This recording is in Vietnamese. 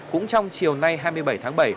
cũng trong chiều nay hai mươi bảy tháng bảy